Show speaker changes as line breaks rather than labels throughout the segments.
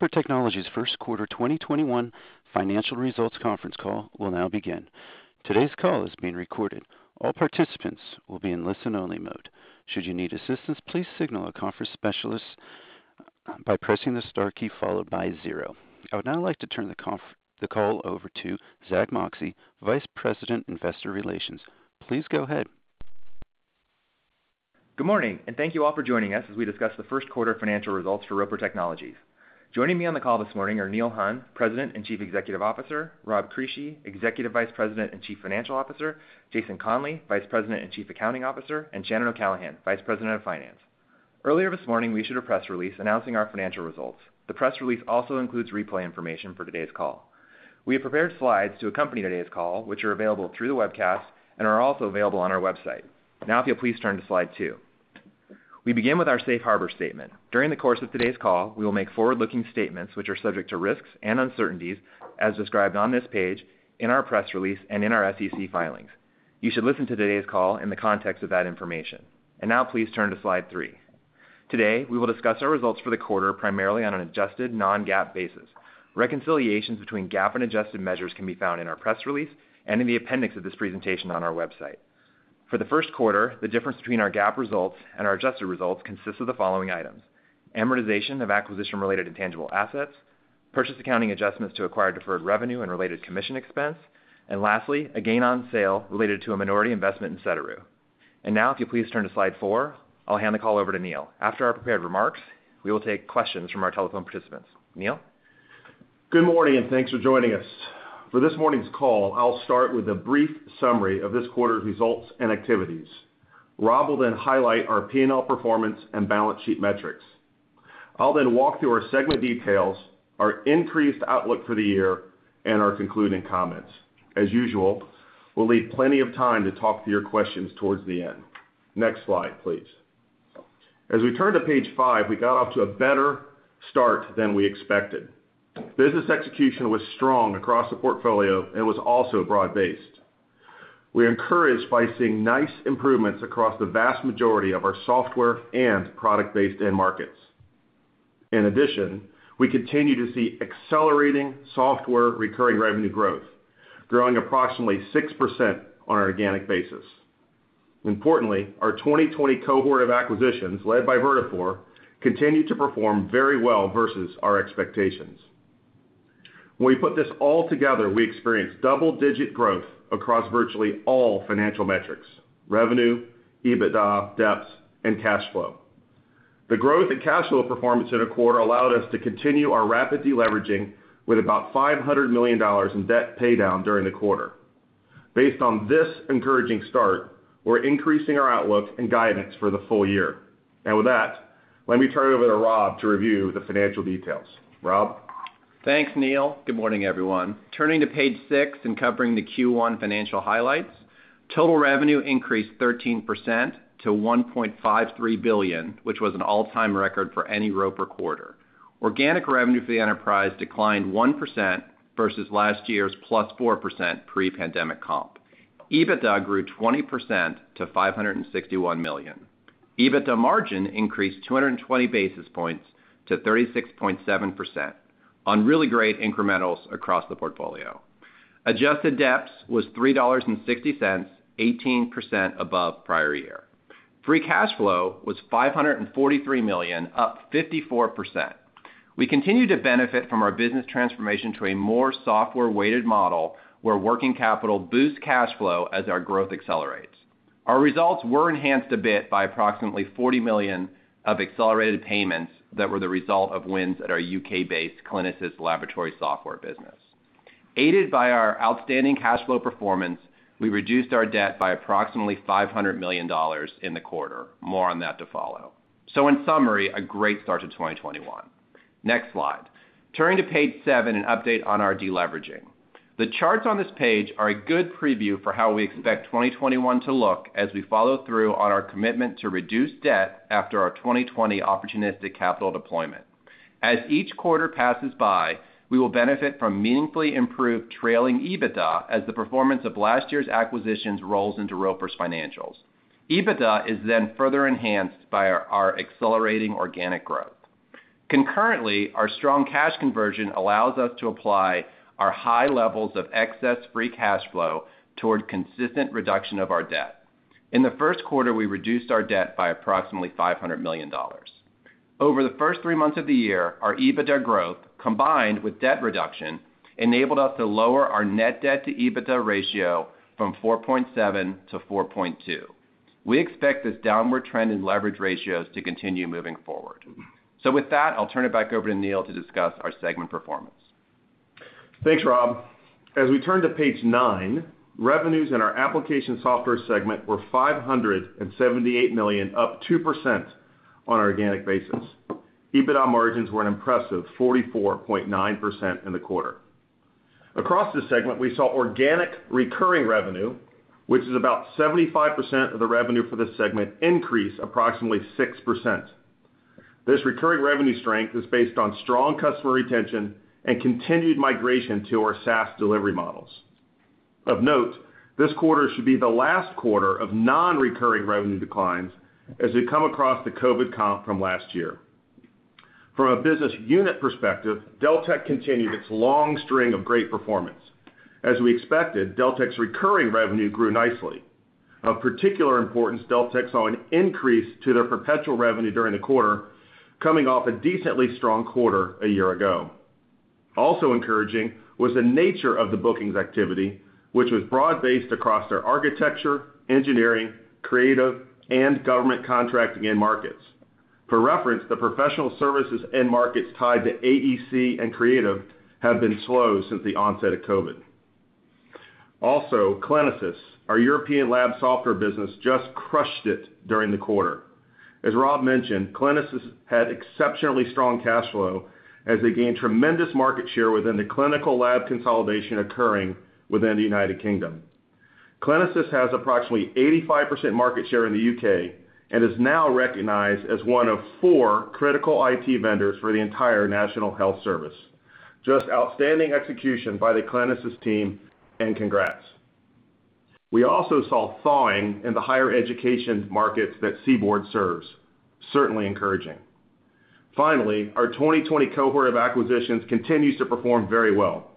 Roper Technologies' first quarter 2021 financial results conference call will now begin. Today's call is being recorded. All participants will be in listen-only mode. I would now like to turn the call over to Zack Moxcey, Vice President, Investor Relations. Please go ahead.
Good morning, and thank you all for joining us as we discuss the first quarter financial results for Roper Technologies. Joining me on the call this morning are Neil Hunn, President and Chief Executive Officer, Rob Crisci, Executive Vice President and Chief Financial Officer, Jason Conley, Vice President and Chief Accounting Officer, and Shannon O'Callaghan, Vice President of Finance. Earlier this morning, we issued a press release announcing our financial results. The press release also includes replay information for today's call. We have prepared slides to accompany today's call, which are available through the webcast and are also available on our website. Now, if you'll please turn to slide two. We begin with our safe harbor statement. During the course of today's call, we will make forward-looking statements which are subject to risks and uncertainties as described on this page, in our press release, and in our SEC filings. You should listen to today's call in the context of that information. Now, please turn to slide three. Today, we will discuss our results for the quarter, primarily on an adjusted non-GAAP basis. Reconciliations between GAAP and adjusted measures can be found in our press release and in the appendix of this presentation on our website. For the first quarter, the difference between our GAAP results and our adjusted results consists of the following items: amortization of acquisition related to intangible assets, purchase accounting adjustments to acquired deferred revenue and related commission expense, and lastly, a gain on sale related to a minority investment in Settru. Now, if you please turn to slide four, I'll hand the call over to Neil. After our prepared remarks, we will take questions from our telephone participants. Neil?
Good morning. Thanks for joining us. For this morning's call, I'll start with a brief summary of this quarter's results and activities. Rob will highlight our P&L performance and balance sheet metrics. I'll walk through our segment details, our increased outlook for the year, and our concluding comments. As usual, we'll leave plenty of time to talk to your questions towards the end. Next slide, please. As we turn to page five, we got off to a better start than we expected. Business execution was strong across the portfolio and was also broad-based. We're encouraged by seeing nice improvements across the vast majority of our software and product-based end markets. In addition, we continue to see accelerating software recurring revenue growth, growing approximately 6% on an organic basis. Importantly, our 2020 cohort of acquisitions, led by Vertafore, continued to perform very well versus our expectations. When we put this all together, we experienced double-digit growth across virtually all financial metrics: revenue, EBITDA, DEPS, and cash flow. The growth in cash flow performance in a quarter allowed us to continue our rapid deleveraging with about $500 million in debt paydown during the quarter. Based on this encouraging start, we're increasing our outlook and guidance for the full-year. With that, let me turn it over to Rob to review the financial details. Rob?
Thanks, Neil. Good morning, everyone. Turning to page six and covering the Q1 financial highlights. Total revenue increased 13% to $1.53 billion, which was an all-time record for any Roper quarter. Organic revenue for the enterprise declined 1% versus last year's +4% pre-pandemic comp. EBITDA grew 20% to $561 million. EBITDA margin increased 220 basis points to 36.7% on really great incrementals across the portfolio. Adjusted DEPS was $3.60, 18% above prior year. Free cash flow was $543 million, up 54%. We continue to benefit from our business transformation to a more software-weighted model where working capital boosts cash flow as our growth accelerates. Our results were enhanced a bit by approximately $40 million of accelerated payments that were the result of wins at our U.K.-based Clinisys laboratory software business. Aided by our outstanding cash flow performance, we reduced our debt by approximately $500 million in the quarter. More on that to follow. In summary, a great start to 2021. Next slide. Turning to page seven, an update on our deleveraging. The charts on this page are a good preview for how we expect 2021 to look as we follow through on our commitment to reduce debt after our 2020 opportunistic capital deployment. As each quarter passes by, we will benefit from meaningfully improved trailing EBITDA as the performance of last year's acquisitions rolls into Roper's financials. EBITDA is further enhanced by our accelerating organic growth. Concurrently, our strong cash conversion allows us to apply our high levels of excess free cash flow toward consistent reduction of our debt. In the first quarter, we reduced our debt by approximately $500 million. Over the first three months of the year, our EBITDA growth, combined with debt reduction, enabled us to lower our net debt to EBITDA ratio from 4.7-4.2. We expect this downward trend in leverage ratios to continue moving forward. With that, I'll turn it back over to Neil to discuss our segment performance.
Thanks, Rob. As we turn to page nine, revenues in our application software segment were $578 million, up 2% on an organic basis. EBITDA margins were an impressive 44.9% in the quarter. Across this segment, we saw organic recurring revenue, which is about 75% of the revenue for this segment, increase approximately 6%. This recurring revenue strength is based on strong customer retention and continued migration to our SaaS delivery models. Of note, this quarter should be the last quarter of non-recurring revenue declines as we come across the COVID comp from last year. From a business unit perspective, Deltek continued its long string of great performance. As we expected, Deltek's recurring revenue grew nicely. Of particular importance, Deltek saw an increase to their perpetual revenue during the quarter, coming off a decently strong quarter a year ago. Also encouraging was the nature of the bookings activity, which was broad-based across their architecture, engineering, creative, and government contracting end markets. For reference, the professional services end markets tied to AEC and COVID have been slow since the onset of COVID. Also, Clinisys, our European lab software business just crushed it during the quarter. As Rob mentioned, Clinisys had exceptionally strong cash flow as they gained tremendous market share within the clinical lab consolidation occurring within the United Kingdom. Clinisys has approximately 85% market share in the U.K., and is now recognized as one of four critical IT vendors for the entire National Health Service. Just outstanding execution by the Clinisys team, and congrats. We also saw thawing in the higher education markets that CBORD serves. Certainly encouraging. Finally, our 2020 cohort of acquisitions continues to perform very well.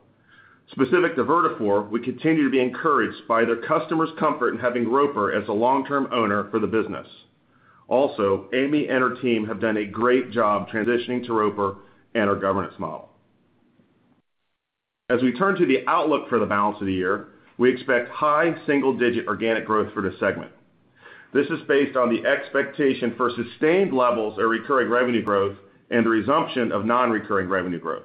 Specific to Vertafore, we continue to be encouraged by their customers' comfort in having Roper as a long-term owner for the business. Amy and her team have done a great job transitioning to Roper and our governance model. As we turn to the outlook for the balance of the year, we expect high single-digit organic growth for the segment. This is based on the expectation for sustained levels of recurring revenue growth and the resumption of non-recurring revenue growth.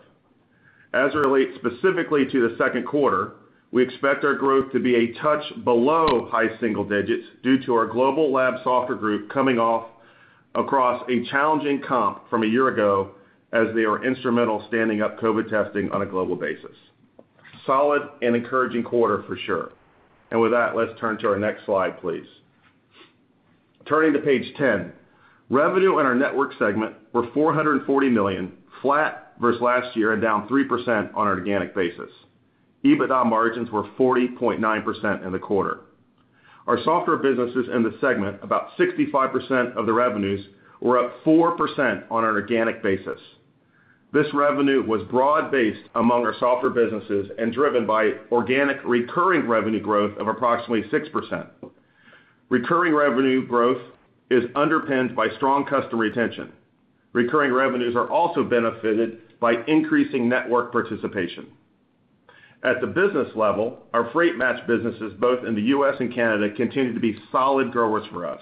As it relates specifically to the second quarter, we expect our growth to be a touch below high single-digits due to our global lab software group coming off across a challenging comp from a year ago as they were instrumental standing up COVID testing on a global basis. Solid and encouraging quarter for sure. With that, let's turn to our next slide, please. Turning to page 10, revenue in our Networks segment were $440 million, flat versus last year and down 3% on an organic basis. EBITDA margins were 40.9% in the quarter. Our software businesses in the segment, about 65% of the revenues, were up 4% on an organic basis. This revenue was broad-based among our software businesses and driven by organic recurring revenue growth of approximately 6%. Recurring revenue growth is underpinned by strong customer retention. Recurring revenues are also benefited by increasing network participation. At the business level, our Freight Match businesses both in the U.S. and Canada continue to be solid growers for us.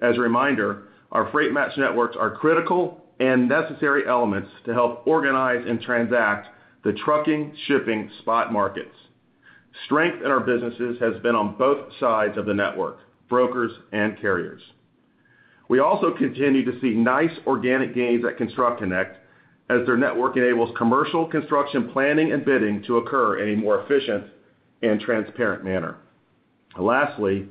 As a reminder, our Freight Match networks are critical and necessary elements to help organize and transact the trucking shipping spot markets. Strength in our businesses has been on both sides of the network, brokers and carriers. We also continue to see nice organic gains at ConstructConnect as their network enables commercial construction planning and bidding to occur in a more efficient and transparent manner. Lastly,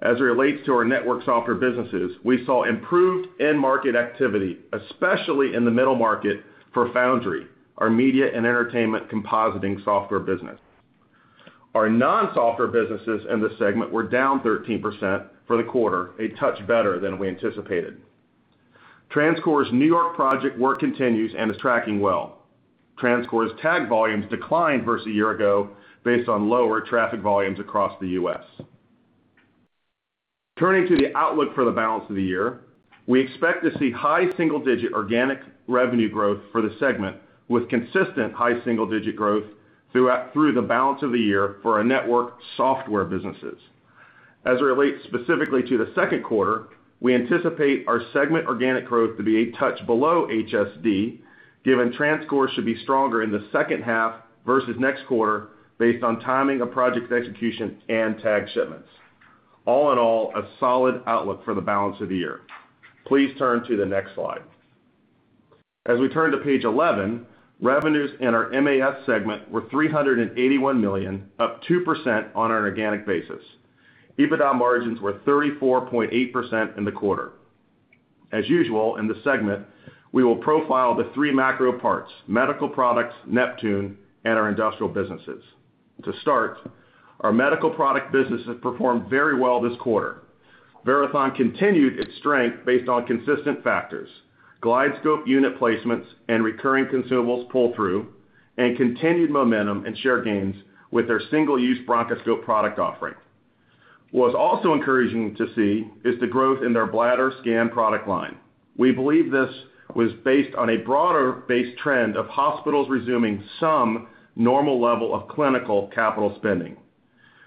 as it relates to our network software businesses, we saw improved end market activity, especially in the middle market for Foundry, our media and entertainment compositing software business. Our non-software businesses in this segment were down 13% for the quarter, a touch better than we anticipated. TransCore's New York project work continues and is tracking well. TransCore's tag volumes declined versus a year ago based on lower traffic volumes across the U.S. Turning to the outlook for the balance of the year, we expect to see high single-digit organic revenue growth for the segment, with consistent high double-digit growth through the balance of the year for our network software businesses. As it relates specifically to the second quarter, we anticipate our segment organic growth to be a touch below HSD, given TransCore should be stronger in the second half versus next quarter based on timing of project execution and tag shipments. All in all, a solid outlook for the balance of the year. Please turn to the next slide. As we turn to page 11, revenues in our MAS segment were $381 million, up 2% on an organic basis. EBITDA margins were 34.8% in the quarter. As usual in the segment, we will profile the three macro parts, medical products, Neptune, and our industrial businesses. To start, our medical product businesses performed very well this quarter. Verathon continued its strength based on consistent factors, GlideScope unit placements and recurring consumables pull-through, and continued momentum and share gains with their single-use bronchoscope product offering. What's also encouraging to see is the growth in their BladderScan product line. We believe this was based on a broader base trend of hospitals resuming some normal level of clinical capital spending.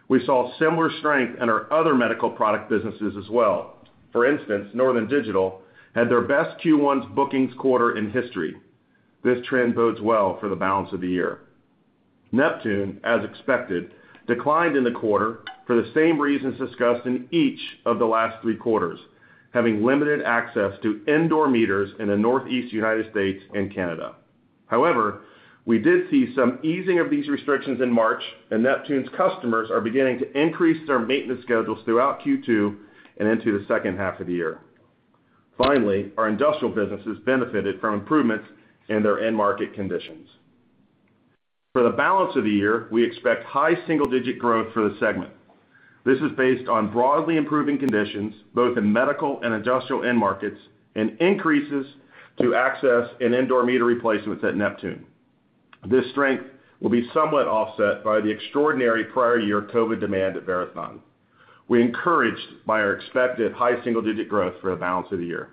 We saw similar strength in our other medical product businesses as well. For instance, Northern Digital had their best Q1 bookings quarter in history. This trend bodes well for the balance of the year. Neptune, as expected, declined in the quarter for the same reasons discussed in each of the last three quarters, having limited access to indoor meters in the Northeast U.S. and Canada. However, we did see some easing of these restrictions in March, and Neptune's customers are beginning to increase their maintenance schedules throughout Q2 and into the second half of the year. Finally, our industrial businesses benefited from improvements in their end market conditions. For the balance of the year, we expect high single-digit growth for the segment. This is based on broadly improving conditions, both in medical and industrial end markets, and increases to access and indoor meter replacements at Neptune. This strength will be somewhat offset by the extraordinary prior year COVID demand at Verathon. We're encouraged by our expected high single-digit growth for the balance of the year.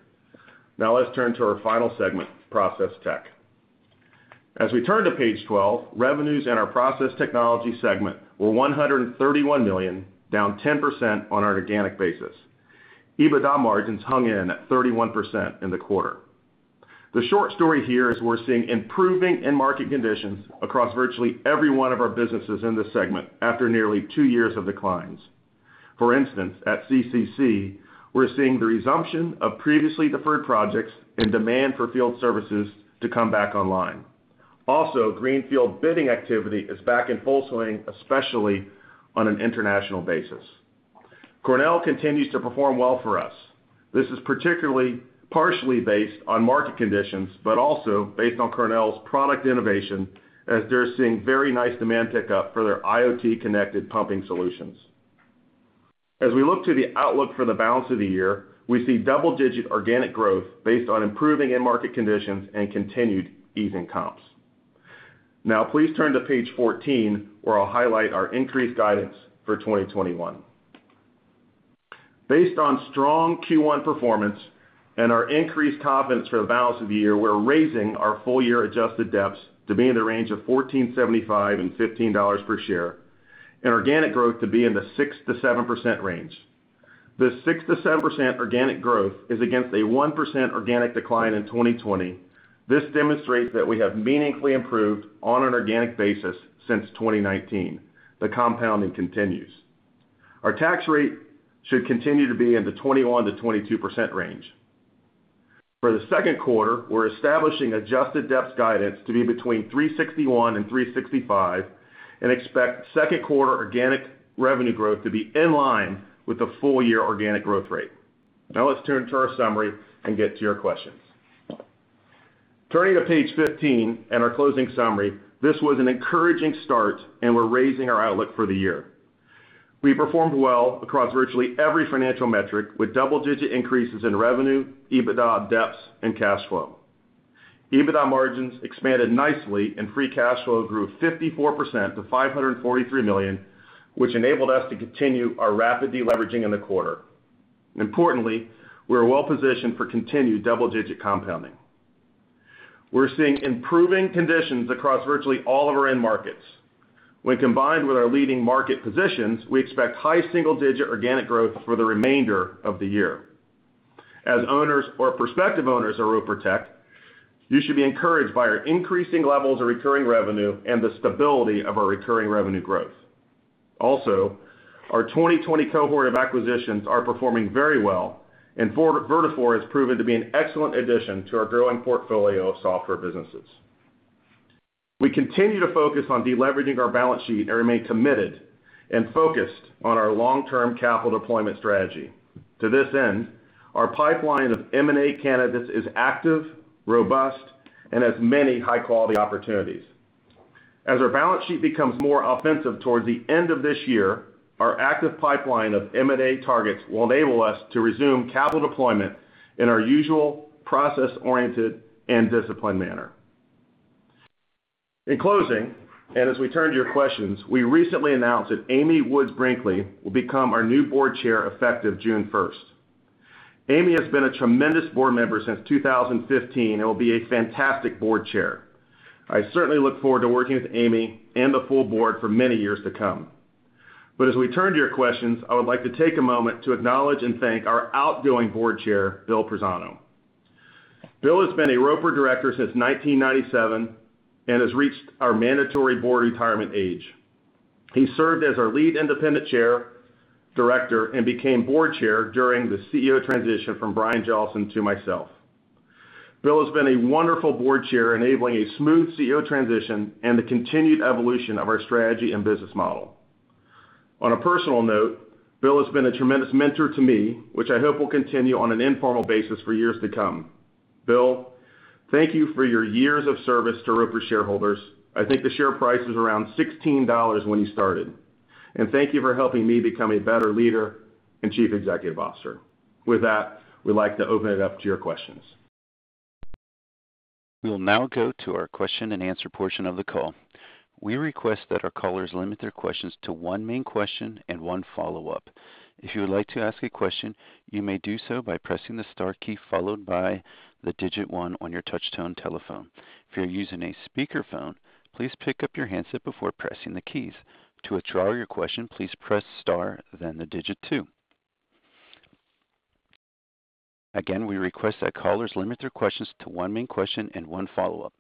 Now let's turn to our final segment, Process Tech. As we turn to page 12, revenues in our Process Technology segment were $131 million, down 10% on an organic basis. EBITDA margins hung in at 31% in the quarter. The short story here is we're seeing improving end market conditions across virtually every one of our businesses in this segment after nearly two years of declines. For instance, at CCC, we're seeing the resumption of previously deferred projects and demand for field services to come back online. Greenfield bidding activity is back in full swing, especially on an international basis. Cornell continues to perform well for us. This is partially based on market conditions, but also based on Cornell's product innovation, as they're seeing very nice demand pickup for their IoT-connected pumping solutions. We look to the outlook for the balance of the year, we see double-digit organic growth based on improving end market conditions and continued easing comps. Please turn to page 14, where I'll highlight our increased guidance for 2021. Based on strong Q1 performance and our increased confidence for the balance of the year, we're raising our full-year adjusted DEPS to be in the range of $14.75 and $15 per share, and organic growth to be in the 6%-7% range. This 6%-7% organic growth is against a 1% organic decline in 2020. This demonstrates that we have meaningfully improved on an organic basis since 2019. The compounding continues. Our tax rate should continue to be in the 21% - 22% range. For the second quarter, we're establishing adjusted DEPS guidance to be between $3.61 and $3.65, and expect second quarter organic revenue growth to be in line with the full-year organic growth rate. Let's turn to our summary and get to your questions. Turning to page 15 and our closing summary, this was an encouraging start, and we're raising our outlook for the year. We performed well across virtually every financial metric, with double-digit increases in revenue, EBITDA DEPS, and cash flow. EBITDA margins expanded nicely, and free cash flow grew 54% to $543 million, which enabled us to continue our rapid deleveraging in the quarter. Importantly, we are well-positioned for continued double-digit compounding. We're seeing improving conditions across virtually all of our end markets. When combined with our leading market positions, we expect high single-digit organic growth for the remainder of the year. As owners or prospective owners of Roper Tech, you should be encouraged by our increasing levels of recurring revenue and the stability of our recurring revenue growth. Also, our 2020 cohort of acquisitions are performing very well, and Vertafore has proven to be an excellent addition to our growing portfolio of software businesses. We continue to focus on deleveraging our balance sheet and remain committed and focused on our long-term capital deployment strategy. To this end, our pipeline of M&A candidates is active, robust, and has many high-quality opportunities. As our balance sheet becomes more offensive towards the end of this year, our active pipeline of M&A targets will enable us to resume capital deployment in our usual process-oriented and disciplined manner. In closing, and as we turn to your questions, we recently announced that Amy Woods Brinkley will become our new Board Chair effective June 1st. Amy has been a tremendous board member since 2015 and will be a fantastic board chair. I certainly look forward to working with Amy Woods Brinkley and the full board for many years to come. As we turn to your questions, I would like to take a moment to acknowledge and thank our outgoing board chair, Wilbur Prezzano. Wilbur has been a Roper director since 1997 and has reached our mandatory board retirement age. He served as our lead independent chair, director, and became board chair during the CEO transition from Brian Jellison to myself. Wilbur has been a wonderful board chair, enabling a smooth CEO transition and the continued evolution of our strategy and business model. On a personal note, Wilbur has been a tremendous mentor to me, which I hope will continue on an informal basis for years to come. Wilbur, thank you for your years of service to Roper shareholders. I think the share price was around $16 when you started. Thank you for helping me become a better leader and chief executive officer. With that, we'd like to open it up to your questions.
We will now go to our question-and-answer portion of the call. We request that our callers limit their questions to one main question and one follow-up. If you would like to ask a question, you may do so by pressing the star key followed by the digit one on your touch-tone telephone. If you're using a speakerphone, please pick up your handset before pressing the keys. To withdraw your question, please press star, then the digit two. Again, we request that callers limit their questions to one main question and one follow-up.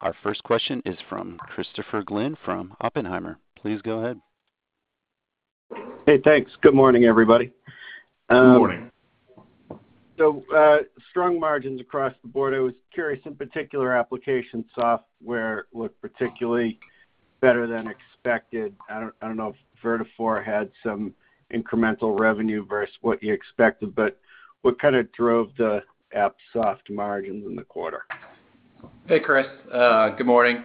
Our first question is from Christopher Glynn from Oppenheimer. Please go ahead.
Hey, thanks. Good morning, everybody.
Good morning.
Strong margins across the board. I was curious, in particular application software looked particularly better than expected. I don't know if Vertafore had some incremental revenue versus what you expected, but what kind of drove the app soft margins in the quarter?
Hey, Chris. Good morning.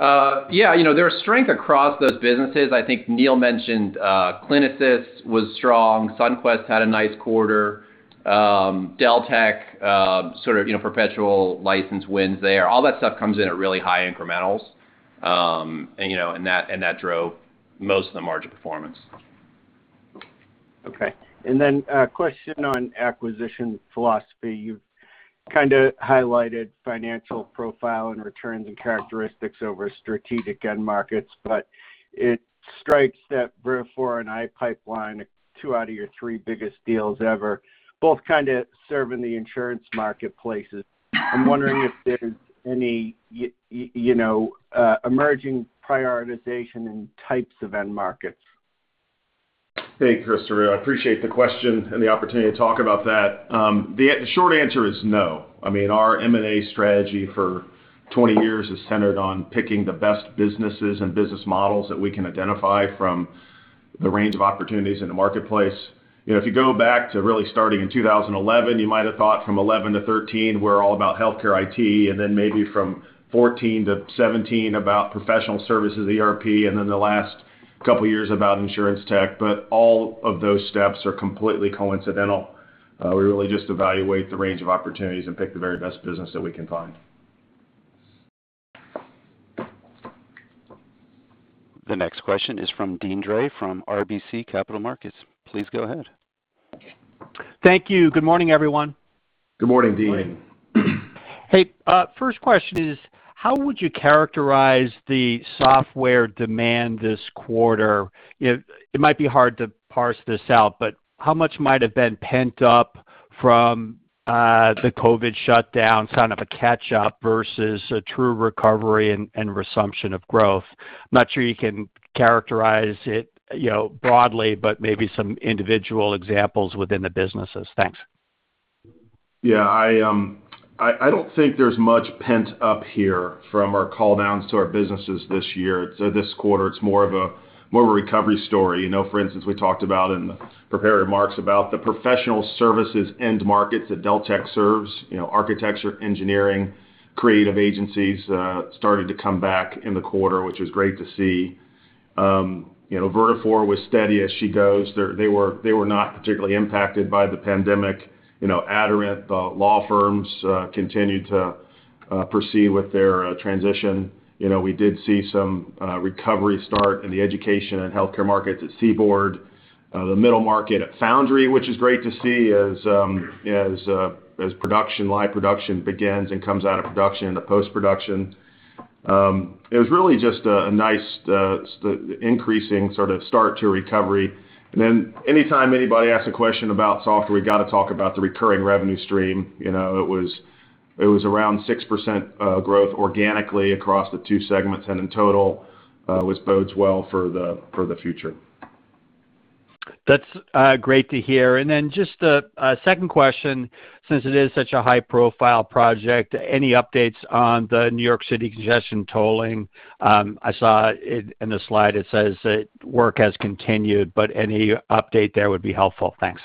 Yeah, there was strength across those businesses. I think Neil mentioned Clinisys was strong. Sunquest had a nice quarter. Deltek, sort of perpetual license wins there. All that stuff comes in at really high incrementals. That drove most of the margin performance.
A question on acquisition philosophy. You've kind of highlighted financial profile and returns and characteristics over strategic end markets, but it strikes that Vertafore and iPipeline are two out of your three biggest deals ever, both kind of serve in the insurance marketplaces. I'm wondering if there's any emerging prioritization in types of end markets.
Hey, Christopher Glynn. I appreciate the question and the opportunity to talk about that. The short answer is no. I mean, our M&A strategy for 20 years has centered on picking the best businesses and business models that we can identify from the range of opportunities in the marketplace. If you go back to really starting in 2011, you might have thought from 2011 - 2013, we're all about healthcare IT, and then maybe from 2014- 2017 about professional services ERP, and then the last couple of years about insurance tech, but all of those steps are completely coincidental. We really just evaluate the range of opportunities and pick the very best business that we can find.
The next question is from Deane Dray from RBC Capital Markets. Please go ahead.
Thank you. Good morning, everyone.
Good morning, Deane.
Hey, first question is how would you characterize the software demand this quarter? It might be hard to parse this out, but how much might have been pent up from the COVID shutdown, kind of a catch-up versus a true recovery and resumption of growth? I'm not sure you can characterize it broadly, but maybe some individual examples within the businesses. Thanks.
Yeah. I don't think there's much pent up here from our call-downs to our businesses this year. This quarter, it's more of a recovery story. For instance, we talked about in the prepared remarks about the professional services end markets that Deltek serves. Architecture, engineering, creative agencies started to come back in the quarter, which was great to see. Vertafore was steady as she goes. They were not particularly impacted by the pandemic. Aderant, the law firms, continued to proceed with their transition. We did see some recovery start in the education and healthcare markets at CBORD, the middle market at Foundry, which is great to see as live production begins and comes out of production into post-production. It was really just a nice increasing sort of start to recovery. Anytime anybody asks a question about software, we got to talk about the recurring revenue stream. It was around 6% growth organically across the two segments, and in total, which bodes well for the future.
That's great to hear. Just a second question, since it is such a high-profile project, any updates on the New York City congestion tolling? I saw in the slide it says that work has continued, but any update there would be helpful. Thanks.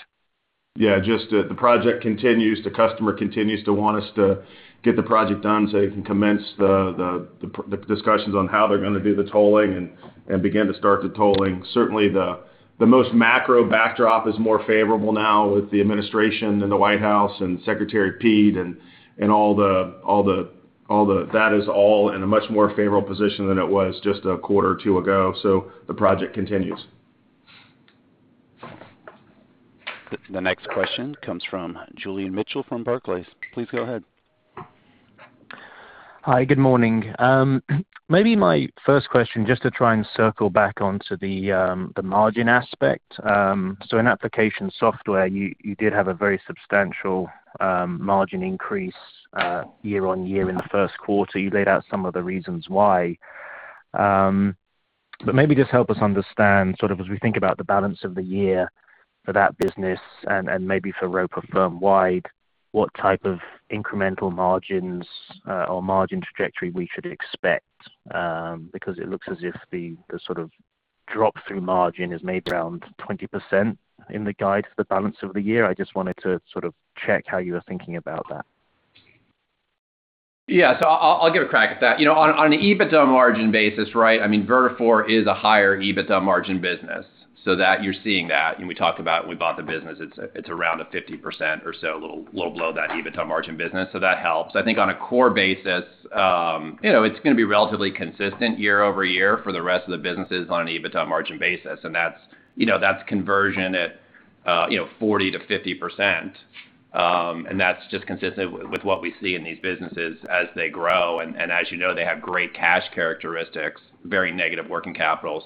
Yeah, just that the project continues. The customer continues to want us to get the project done so they can commence the discussions on how they're going to do the tolling and begin to start the tolling. Certainly, the most macro backdrop is more favorable now with the administration and the White House and Pete Buttigieg and That is all in a much more favorable position than it was just a quarter or two ago. The project continues.
The next question comes from Julian Mitchell from Barclays. Please go ahead.
Hi, good morning. Maybe my first question, just to try and circle back onto the margin aspect. In application software, you did have a very substantial margin increase year-over-year in the first quarter. You laid out some of the reasons why. Maybe just help us understand, sort of as we think about the balance of the year for that business and maybe for Roper firm-wide, what type of incremental margins or margin trajectory we should expect because it looks as if the sort of drop-through margin is maybe around 20% in the guide for the balance of the year. I just wanted to sort of check how you are thinking about that.
I'll give a crack at that. On an EBITDA margin basis, right, Vertafore is a higher EBITDA margin business. You're seeing that. We talked about when we bought the business, it's around a 50% or so, a little below that EBITDA margin business. That helps. I think on a core basis, it's going to be relatively consistent year-over-year for the rest of the businesses on an EBITDA margin basis, and that's conversion at 40%-50%, consistent with what we see in these businesses as they grow. As you know, they have great cash characteristics, very negative working capital.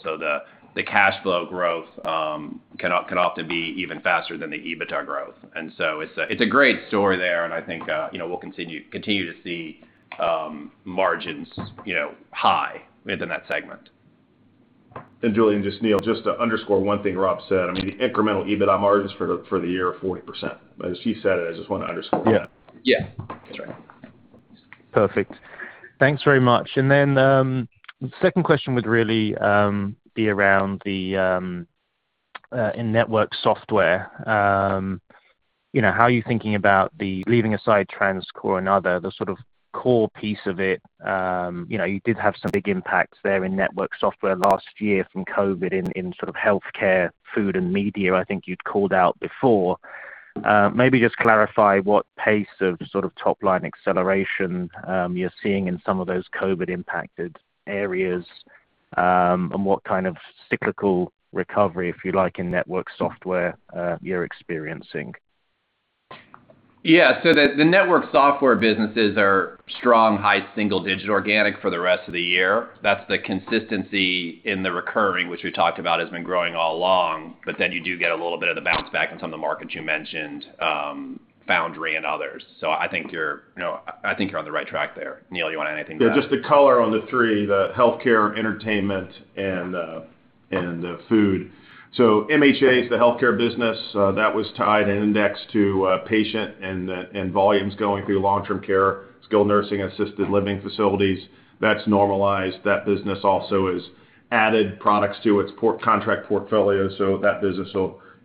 The cash flow growth can often be even faster than the EBITDA growth. It's a great story there, and I think we'll continue to see margins high within that segment.
Julian, just Neil, just to underscore one thing Rob said, the incremental EBIT margins for the year are 40%. As you said, I just want to underscore that.
Yeah.
Yeah, that's right.
Perfect. Thanks very much. Second question would really be around the network software. How are you thinking about the leaving aside TransCore and other, the sort of core piece of it? You did have some big impacts there in network software last year from COVID in sort of healthcare, food, and media, I think you'd called out before. Maybe just clarify what pace of sort of top-line acceleration you're seeing in some of those COVID-impacted areas, and what kind of cyclical recovery, if you like, in network software you're experiencing.
Yeah. The network software businesses are strong, high single-digit organic for the rest of the year. That's the consistency in the recurring, which we talked about has been growing all along, you do get a little bit of the bounce back in some of the markets you mentioned, Foundry and others. I think you're on the right track there. Neil, you want to anything to that?
Just the color on the three, the healthcare, entertainment, and the food. MHA is the healthcare business, that was tied and indexed to patient and volumes going through long-term care, skilled nursing, assisted living facilities. That's normalized. That business also has added products to its contract portfolio, that business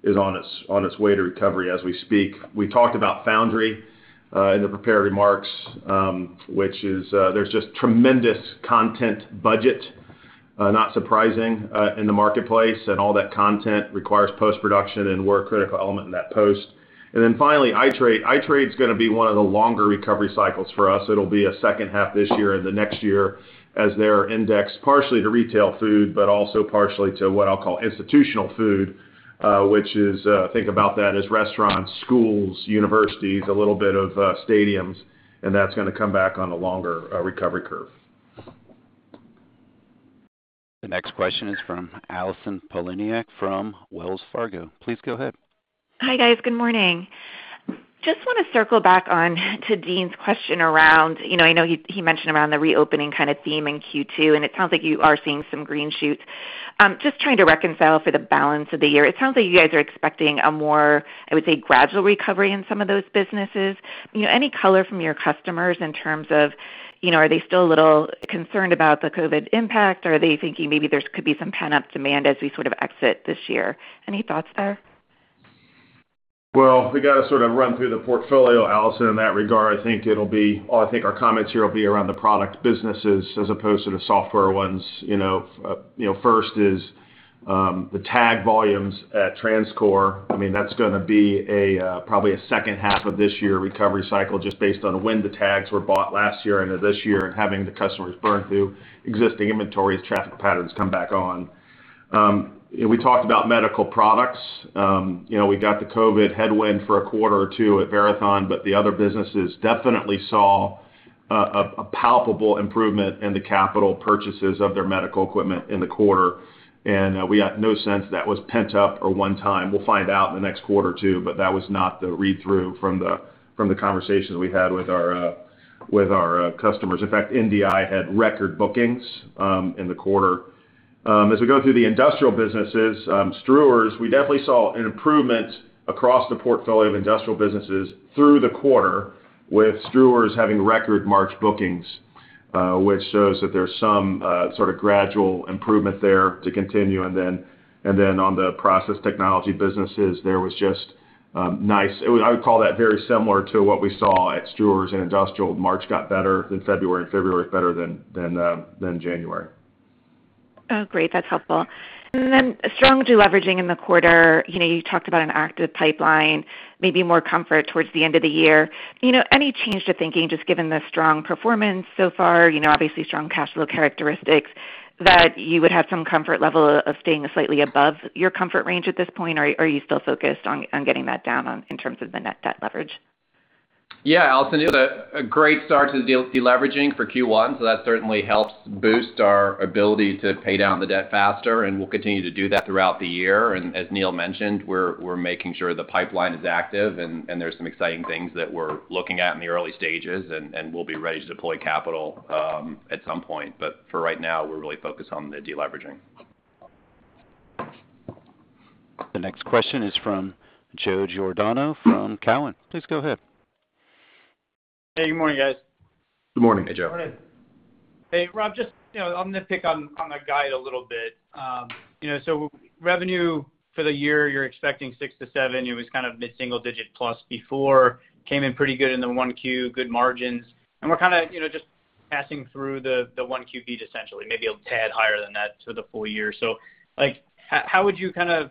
is on its way to recovery as we speak. We talked about Foundry in the prepared remarks, which is, there's just tremendous content budget, not surprising, in the marketplace, and all that content requires post-production, and we're a critical element in that post. Then finally, iTradeNetwork. iTradeNetwork's going to be one of the longer recovery cycles for us. It'll be a second half this year and the next year as they are indexed partially to retail food, but also partially to what I'll call institutional food, which is think about that as restaurants, schools, universities, a little bit of stadiums. That's going to come back on a longer recovery curve.
The next question is from Allison Poliniak-Cusic from Wells Fargo. Please go ahead.
Hi, guys. Good morning. Just want to circle back on to Deane's question around, I know he mentioned around the reopening kind of theme in Q2, and it sounds like you are seeing some green shoots. Just trying to reconcile for the balance of the year. It sounds like you guys are expecting a more, I would say, gradual recovery in some of those businesses. Any color from your customers in terms of, are they still a little concerned about the COVID impact? Are they thinking maybe there could be some pent-up demand as we sort of exit this year? Any thoughts there?
Well, we got to sort of run through the portfolio, Allison, in that regard. I think our comments here will be around the product businesses as opposed to the software ones. First is the tag volumes at TransCore. That's going to be probably a second half of this year recovery cycle, just based on when the tags were bought last year into this year and having the customers burn through existing inventory as traffic patterns come back on. We talked about medical products. We got the COVID headwind for a quarter or two at Verathon, but the other businesses definitely saw a palpable improvement in the capital purchases of their medical equipment in the quarter, and we have no sense that was pent up or one time. We'll find out in the next quarter or two, but that was not the read-through from the conversations we had with our customers. In fact, NDI had record bookings in the quarter. We go through the industrial businesses, Struers, we definitely saw an improvement across the portfolio of industrial businesses through the quarter with Struers having record March bookings, which shows that there's some sort of gradual improvement there to continue. On the Process Technologies businesses, there was just nice I would call that very similar to what we saw at Struers in industrial. March got better than February was better than January.
Oh, great. That's helpful. Strong deleveraging in the quarter. You talked about an active pipeline, maybe more comfort towards the end of the year. Any change to thinking, just given the strong performance so far, obviously strong cash flow characteristics, that you would have some comfort level of staying slightly above your comfort range at this point? Are you still focused on getting that down in terms of the net debt leverage?
Allison, it was a great start to the deleveraging for Q1. That certainly helps boost our ability to pay down the debt faster, and we'll continue to do that throughout the year. As Neil mentioned, we're making sure the pipeline is active, and there's some exciting things that we're looking at in the early stages, and we'll be ready to deploy capital at some point. For right now, we're really focused on the deleveraging.
The next question is from Joe Giordano from Cowen. Please go ahead.
Hey. Good morning, guys.
Good morning.
Good morning. Hey, Joe.
Hey, Rob, I'm going to pick on the guide a little bit. Revenue for the year, you're expecting 6%-7%. It was kind of mid-single-digit plus before. Came in pretty good in the Q1, good margins. We're kind of passing through the Q1 beat, essentially, maybe a tad higher than that for the full-year. How would you kind of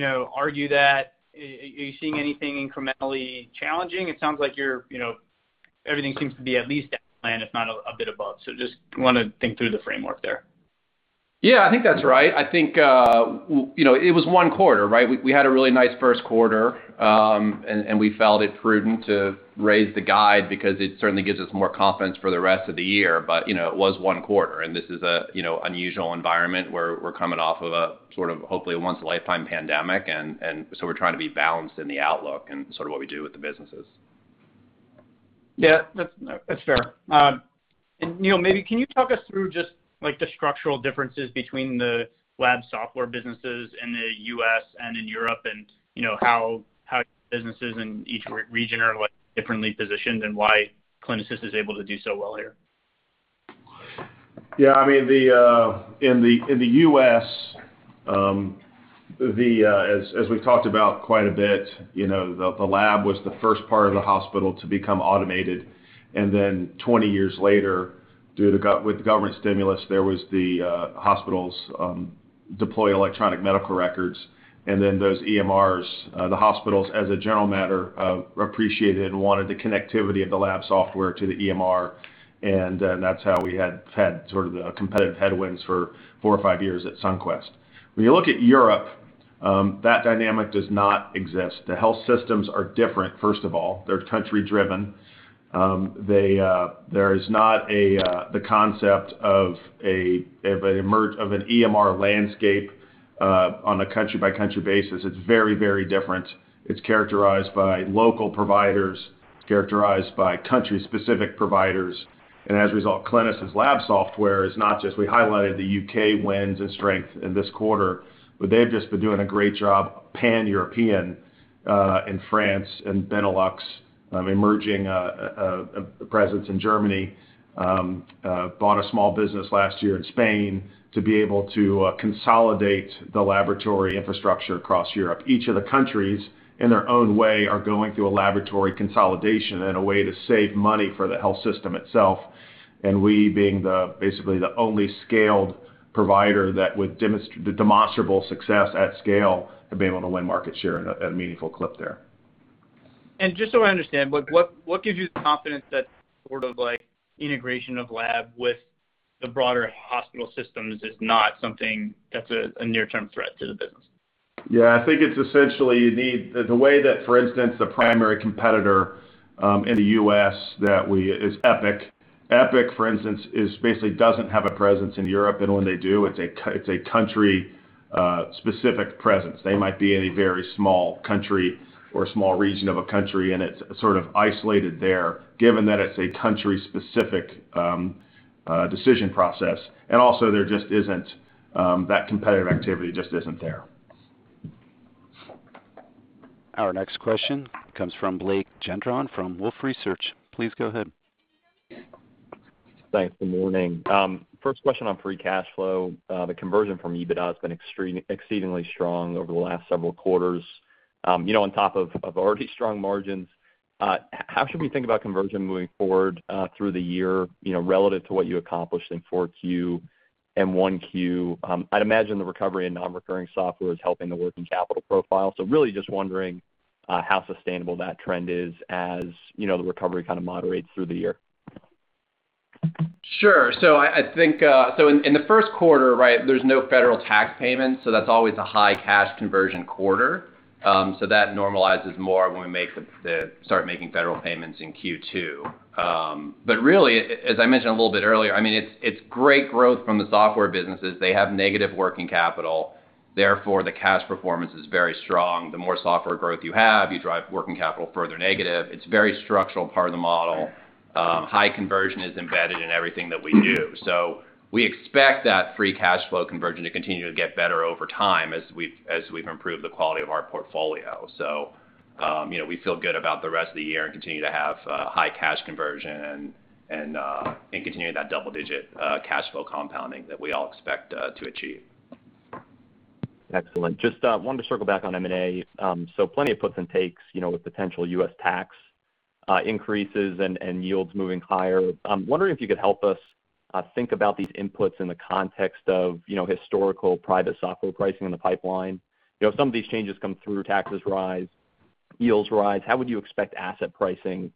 argue that? Are you seeing anything incrementally challenging? It sounds like everything seems to be at least at plan, if not a bit above. I want to think through the framework there.
Yeah, I think that's right. I think it was one quarter, right? We had a really nice first quarter, and we felt it prudent to raise the guide because it certainly gives us more confidence for the rest of the year. It was one quarter, and this is an unusual environment where we're coming off of a sort of, hopefully, a once in a lifetime pandemic, and so we're trying to be balanced in the outlook and sort of what we do with the businesses.
Yeah, that's fair. Neil, maybe can you talk us through just the structural differences between the lab software businesses in the U.S. and in Europe, and how businesses in each region are differently positioned, and why Clinisys is able to do so well here?
Yeah, in the U.S., as we've talked about quite a bit, the lab was the first part of the hospital to become automated. 20 years later, with government stimulus, there was the hospitals deploy electronic medical records. Those EMRs, the hospitals, as a general matter, appreciated and wanted the connectivity of the lab software to the EMR, that's how we had sort of the competitive headwinds for four or five years at Sunquest. When you look at Europe, that dynamic does not exist. The health systems are different, first of all. They're country-driven. There is not the concept of an EMR landscape on a country-by-country basis. It's very different. It's characterized by local providers, characterized by country-specific providers. As a result, Clinisys lab software is not just. We highlighted the U.K. wins and strength in this quarter. They've just been doing a great job pan-European, in France and Benelux, emerging presence in Germany, bought a small business last year in Spain to be able to consolidate the laboratory infrastructure across Europe. Each of the countries, in their own way, are going through a laboratory consolidation and a way to save money for the health system itself. We, being basically the only scaled provider with demonstrable success at scale, have been able to win market share at a meaningful clip there.
Just so I understand, what gives you the confidence that sort of like integration of lab with the broader hospital systems is not something that's a near-term threat to the business?
Yeah, I think it's essentially the way that, for instance, the primary competitor in the U.S. is Epic. Epic, for instance, basically doesn't have a presence in Europe, and when they do, it's a country-specific presence. They might be in a very small country or a small region of a country, and it's sort of isolated there, given that it's a country-specific decision process. Also, that competitive activity just isn't there.
Our next question comes from Blake Gendron from Wolfe Research. Please go ahead.
Thanks. Good morning. First question on free cash flow. The conversion from EBITDA has been exceedingly strong over the last several quarters. On top of already strong margins, how should we think about conversion moving forward through the year, relative to what you accomplished in Q4 and Q1? I'd imagine the recovery in non-recurring software is helping the working capital profile. Really just wondering how sustainable that trend is as the recovery kind of moderates through the year.
Sure. I think in the first quarter, there's no federal tax payments, that's always a high cash conversion quarter. That normalizes more when we start making federal payments in Q2. Really, as I mentioned a little bit earlier, it's great growth from the software businesses. They have negative working capital, therefore the cash performance is very strong. The more software growth you have, you drive working capital further negative. It's a very structural part of the model. High conversion is embedded in everything that we do. We expect that free cash flow conversion to continue to get better over time as we've improved the quality of our portfolio. We feel good about the rest of the year and continue to have high cash conversion and continuing that double-digit cash flow compounding that we all expect to achieve.
Excellent. Just wanted to circle back on M&A. Plenty of puts and takes, with potential U.S. tax increases and yields moving higher. I'm wondering if you could help us think about these inputs in the context of historical private software pricing in the pipeline. If some of these changes come through, taxes rise, yields rise, how would you expect asset pricing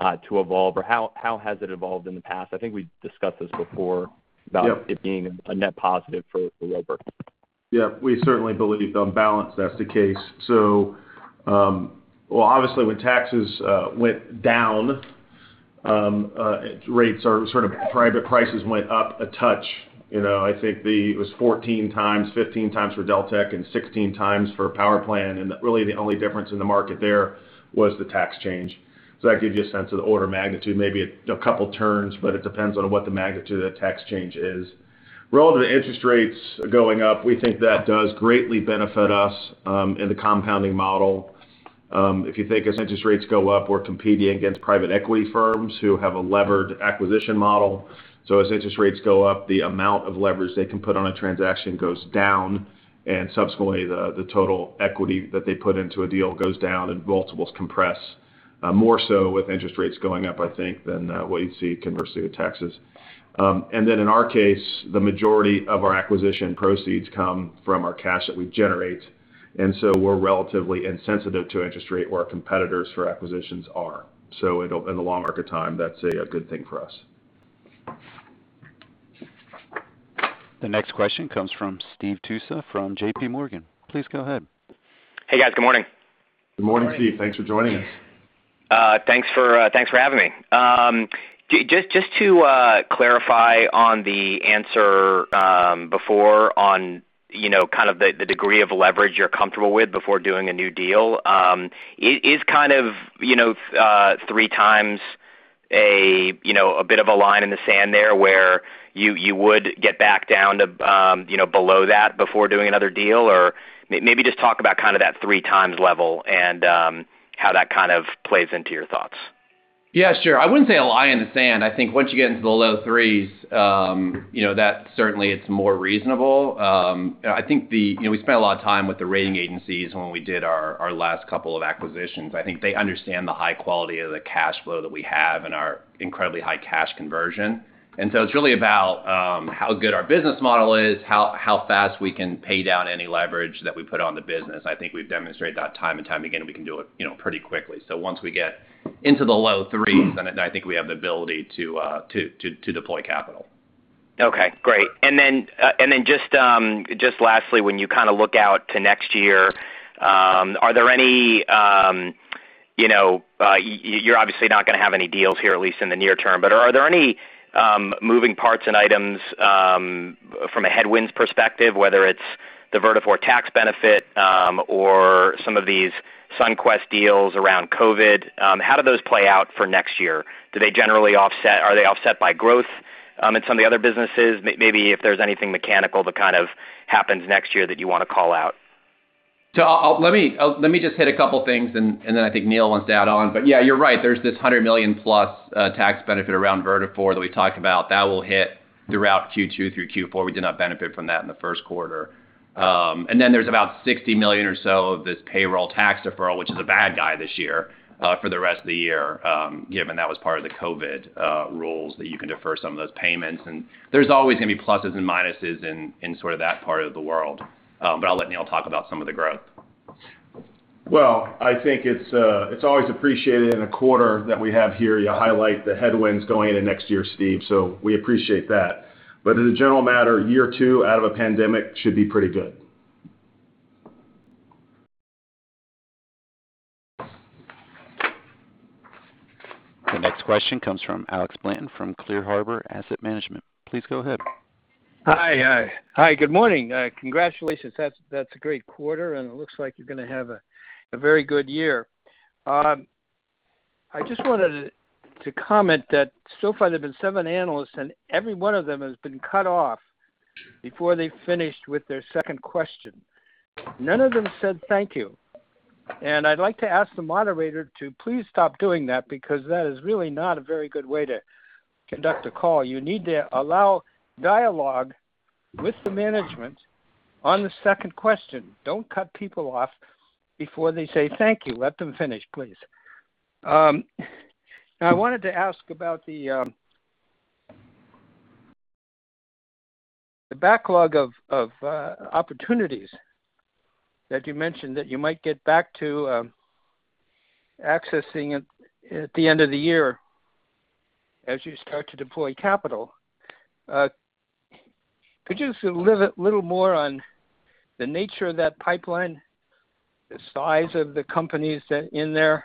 to evolve? Or how has it evolved in the past? I think we've discussed this before.
Yep
about it being a net positive for Roper.
Yeah, we certainly believe, on balance, that's the case. Obviously when taxes went down, private prices went up a touch. I think it was 14x, 15x for Deltek, and 16x for PowerPlan, really the only difference in the market there was the tax change. That gives you a sense of the order of magnitude, maybe a couple turns, but it depends on what the magnitude of the tax change is. Relative to interest rates going up, we think that does greatly benefit us in the compounding model. If you think as interest rates go up, we're competing against private equity firms who have a levered acquisition model. As interest rates go up, the amount of leverage they can put on a transaction goes down, and subsequently, the total equity that they put into a deal goes down and multiples compress. More so with interest rates going up, I think, than what you'd see conversely with taxes. In our case, the majority of our acquisition proceeds come from our cash that we generate, and so we're relatively insensitive to interest rate, where our competitors for acquisitions are. In the long arc of time, that's a good thing for us.
The next question comes from Steve Tusa from JPMorgan. Please go ahead.
Hey, guys. Good morning.
Good morning, Steve. Thanks for joining us.
Thanks for having me. Just to clarify on the answer before on kind of the degree of leverage you're comfortable with before doing a new deal, is kind of 3x a bit of a line in the sand there where you would get back down to below that before doing another deal, or maybe just talk about that 3x level and how that kind of plays into your thoughts?
Yeah, sure. I wouldn't say a line in the sand. I think once you get into the low threes, that certainly it's more reasonable. We spent a lot of time with the rating agencies when we did our last couple of acquisitions. I think they understand the high quality of the cash flow that we have and our incredibly high cash conversion. It's really about how good our business model is, how fast we can pay down any leverage that we put on the business. I think we've demonstrated that time and time again, and we can do it pretty quickly. Once we get into the low threes, I think we have the ability to deploy capital.
Okay, great. Then just lastly, when you kind of look out to next year, you're obviously not going to have any deals here, at least in the near term. Are there any moving parts and items from a headwinds perspective, whether it's the Vertafore tax benefit, or some of these Sunquest deals around COVID? How do those play out for next year? Do they generally offset? Are they offset by growth in some of the other businesses? Maybe if there's anything mechanical that kind of happens next year that you want to call out.
Let me just hit a couple things. I think Neil Hunn wants to add on. Yeah, you're right. There's this $100 million-plus tax benefit around Vertafore that we talked about that will hit throughout Q2 through Q4. We did not benefit from that in the first quarter. There's about $60 million or so of this payroll tax deferral, which is a bad guy this year for the rest of the year, given that was part of the COVID rules, that you can defer some of those payments. There's always going to be pluses and minuses in sort of that part of the world. I'll let Neil Hunn talk about some of the growth.
Well, I think it's always appreciated in a quarter that we have hear you highlight the headwinds going into next year, Steve. We appreciate that. As a general matter, year two out of a pandemic should be pretty good.
The next question comes from Alex Blanton from Clear Harbor Asset Management. Please go ahead.
Hi. Good morning. Congratulations. That's a great quarter, and it looks like you're going to have a very good year. I just wanted to comment that so far there have been seven analysts, and every one of them has been cut off before they finished with their second question. None of them said thank you, and I'd like to ask the moderator to please stop doing that, because that is really not a very good way to conduct a call. You need to allow dialogue with the management on the second question. Don't cut people off before they say thank you. Let them finish, please. I wanted to ask about the backlog of opportunities that you mentioned that you might get back to accessing at the end of the year as you start to deploy capital. Could you elaborate a little more on the nature of that pipeline, the size of the companies that in there?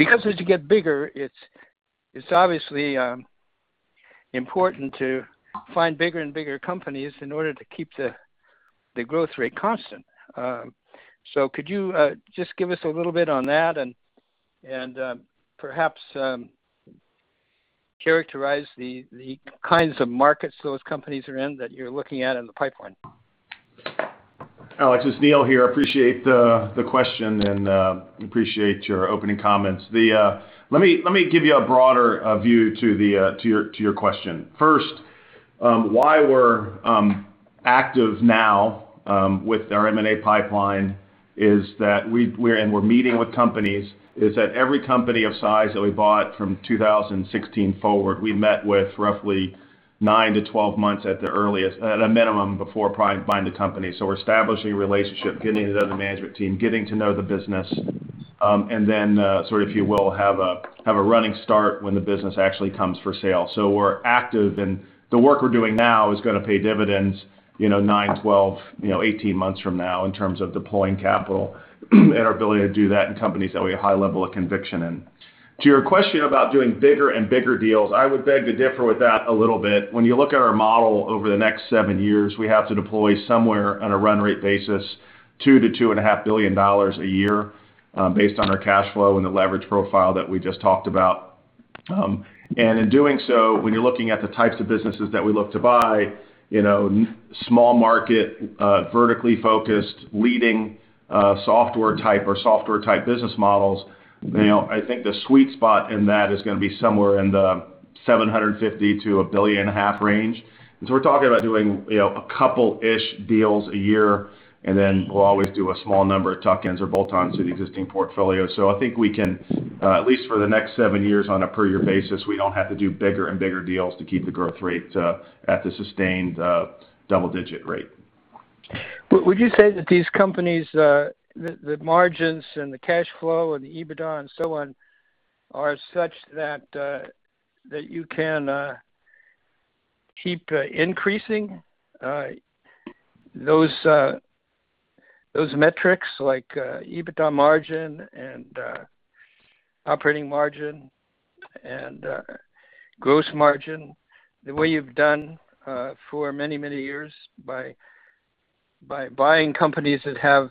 As you get bigger, it's obviously important to find bigger and bigger companies in order to keep the growth rate constant. Could you just give us a little bit on that and perhaps characterize the kinds of markets those companies are in that you're looking at in the pipeline?
Alex, it's Neil here. Appreciate the question and appreciate your opening comments. Let me give you a broader view to your question. First, why we're active now with our M&A pipeline and we're meeting with companies is that every company of size that we bought from 2016 forward, we met with roughly nine to 12 months at the earliest at a minimum before buying the company. We're establishing a relationship, getting to know the management team, getting to know the business, and then sort of, if you will, have a running start when the business actually comes for sale. We're active, and the work we're doing now is going to pay dividends nine, 12, 18 months from now in terms of deploying capital and our ability to do that in companies that we have a high level of conviction in. To your question about doing bigger and bigger deals, I would beg to differ with that a little bit. When you look at our model over the next seven years, we have to deploy somewhere on a run rate basis, $2 billion to $2.5 billion a year based on our cash flow and the leverage profile that we just talked about. In doing so, when you're looking at the types of businesses that we look to buy, small market, vertically focused, leading software type or software type business models, I think the sweet spot in that is going to be somewhere in the $750 million to a billion and a half range. We're talking about doing a couple-ish deals a year, and then we'll always do a small number of tuck-ins or bolt-ons to the existing portfolio. I think we can, at least for the next seven years on a per year basis, we don't have to do bigger and bigger deals to keep the growth rate at the sustained double-digit rate.
Would you say that these companies, the margins and the cash flow and the EBITDA and so on are such that you can keep increasing Those metrics like EBITDA margin and operating margin and gross margin, the way you've done for many, many years by buying companies that have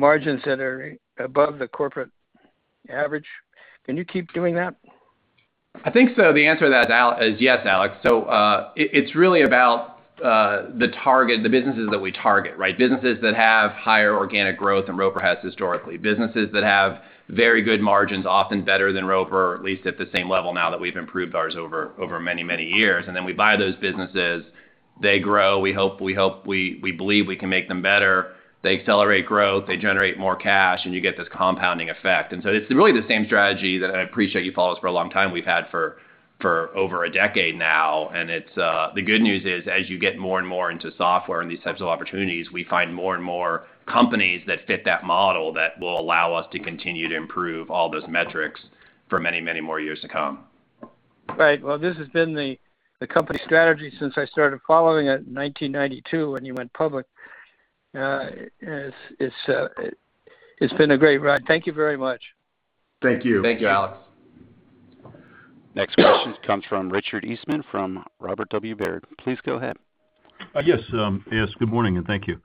margins that are above the corporate average, can you keep doing that?
I think so. The answer to that is yes, Alex. It's really about the businesses that we target, right? Businesses that have higher organic growth than Roper has historically. Businesses that have very good margins, often better than Roper, at least at the same level now that we've improved ours over many, many years. We buy those businesses. They grow. We believe we can make them better. They accelerate growth, they generate more cash, and you get this compounding effect. It's really the same strategy that, I appreciate you follow us for a long time, we've had for over a decade now. The good news is, as you get more and more into software and these types of opportunities, we find more and more companies that fit that model that will allow us to continue to improve all those metrics for many, many more years to come.
Right. Well, this has been the company strategy since I started following it in 1992 when you went public. It's been a great ride. Thank you very much.
Thank you.
Thank you, Alex.
Next question comes from Richard Eastman from Robert W. Baird. Please go ahead.
Yes. Good morning, and thank you.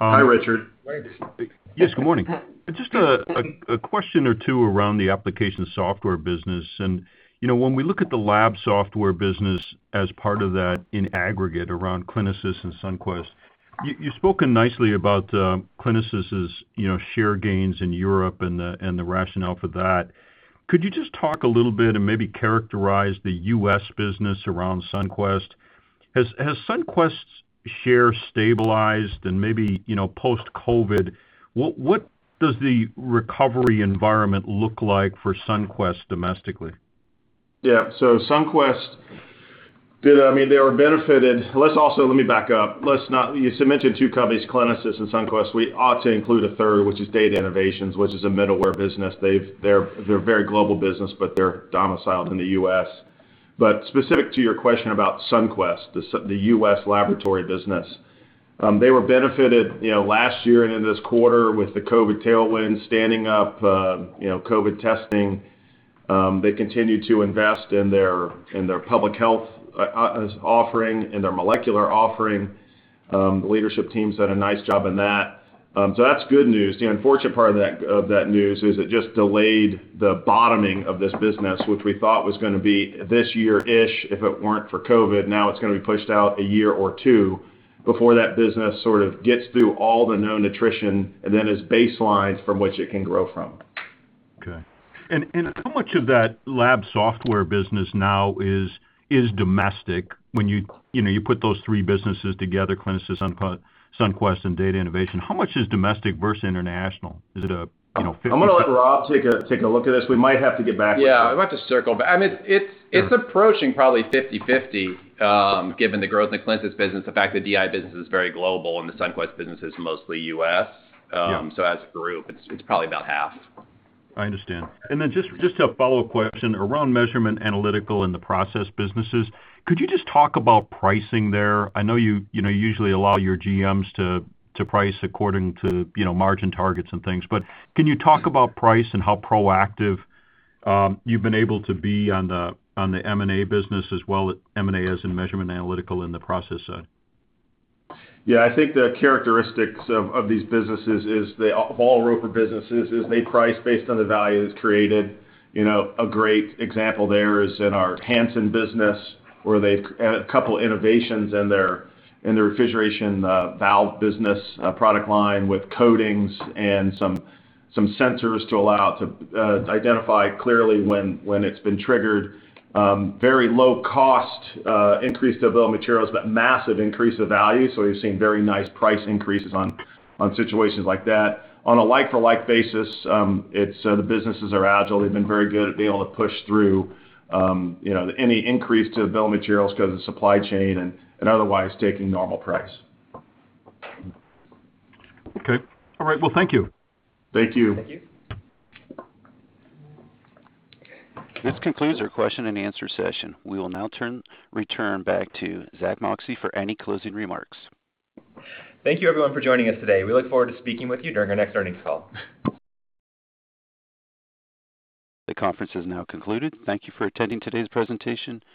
Hi, Richard.
Wait to speak.
Yes, good morning. Just a question or two around the application software business. When we look at the lab software business as part of that in aggregate around Clinisys and Sunquest, you've spoken nicely about Clinisys' share gains in Europe and the rationale for that. Could you just talk a little bit and maybe characterize the U.S. business around Sunquest? Has Sunquest's share stabilized and maybe post-COVID? What does the recovery environment look like for Sunquest domestically?
Sunquest, they were benefited. Let me back up. You mentioned two companies, Clinisys and Sunquest. We ought to include a third, which is Data Innovations, which is a middleware business. They're a very global business, but they're domiciled in the U.S. Specific to your question about Sunquest, the U.S. laboratory business. They were benefited last year and into this quarter with the COVID tailwind, standing up COVID testing. They continued to invest in their public health offering and their molecular offering. Leadership team's done a nice job in that. That's good news. The unfortunate part of that news is it just delayed the bottoming of this business, which we thought was going to be this year-ish if it weren't for COVID. Now it's going to be pushed out a year or two before that business sort of gets through all the known attrition and then is baselined from which it can grow from.
Okay. How much of that lab software business now is domestic when you put those three businesses together, Clinisys, Sunquest, and Data Innovations? How much is domestic versus international? Is it a 50/50?
I'm going to let Rob take a look at this. We might have to get back with you.
Yeah, I'd like to circle. It's approaching probably 50-50, given the growth in the Clinisys business, the fact the DI business is very global and the Sunquest business is mostly U.S.
Yeah.
As a group, it's probably about half.
I understand. Just a follow-up question. Around Measurement Analytical in the Process businesses, could you just talk about pricing there? I know you usually allow your GMs to price according to margin targets and things. Can you talk about price and how proactive you've been able to be on the M&A business as well, M&A as in Measurement & Analytical in the Process side?
I think the characteristics of these businesses is, of all Roper businesses, is they price based on the value that's created. A great example there is in our Hansen business, where they've had a couple innovations in their refrigeration valve business product line with coatings and some sensors to allow it to identify clearly when it's been triggered. Very low cost increase to bill of materials, massive increase to value. You're seeing very nice price increases on situations like that. On a like-for-like basis, the businesses are agile. They've been very good at being able to push through any increase to bill of materials because of supply chain, otherwise taking normal price.
Okay. All right. Well, thank you.
Thank you.
Thank you. Okay.
This concludes our question-and-answer session. We will now return back to Zack Moxcey for any closing remarks.
Thank you everyone for joining us today. We look forward to speaking with you during our next earnings call.
The conference is now concluded. Thank you for attending today's presentation.